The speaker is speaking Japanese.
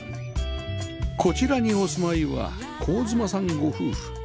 こちらにお住まいは妻さんご夫婦